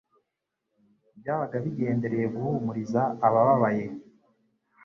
byabaga bigendereye guhumuriza abababaye;